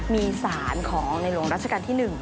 มีสารของในโรงราชการที่หนึ่ง